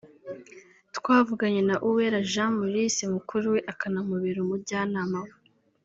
twavuganye na Uwera Jean Maurice mukuru we akanamubera umujyanamawe